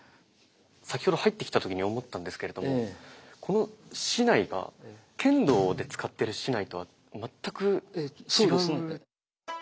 先ほど入ってきた時に思ったんですけれどもこの竹刀が剣道で使ってる竹刀とは全く違う。